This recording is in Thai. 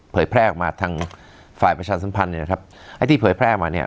แพร่ออกมาทางฝ่ายประชาสัมพันธ์เนี่ยนะครับไอ้ที่เผยแพร่มาเนี่ย